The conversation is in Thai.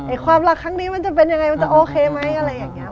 ไอ้ความรักครั้งนี้มันจะเป็นยังไงมันจะโอเคไหม